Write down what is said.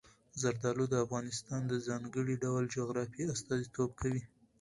زردالو د افغانستان د ځانګړي ډول جغرافیه استازیتوب کوي.